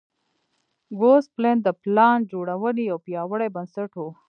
ګوسپلن د پلان جوړونې یو پیاوړی بنسټ و.